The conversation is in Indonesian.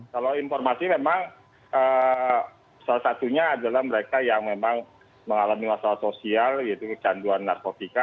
kalau informasi memang salah satunya adalah mereka yang memang mengalami masalah sosial yaitu kecanduan narkotika